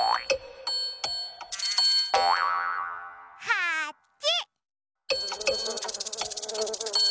はち！